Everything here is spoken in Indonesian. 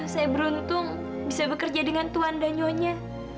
saya beruntung bisa bekerja dengan tuan dan nyonya